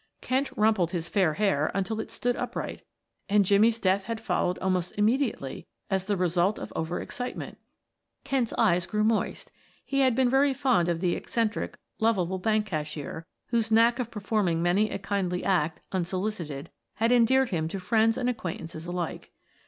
Kent rumpled his fair hair until it stood upright. And Jimmie's death had followed almost immediately as the result of over excitement! Kent's eyes grew moist; he had been very fond of the eccentric, lovable bank cashier, whose knack of performing many a kindly act, unsolicited, had endeared him to friends and acquaintances alike.